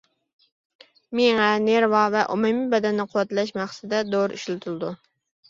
مېڭە، نېرۋا ۋە ئومۇمىي بەدەننى قۇۋۋەتلەش مەقسىتىدە دورا ئىشلىتىلىدۇ.